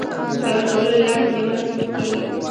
د پیوند کولو له لارې د میوو نسل ښه کیږي.